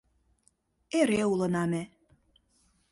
Эре улына ме